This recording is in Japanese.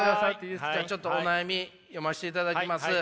ちょっとお悩み読ましていただきます。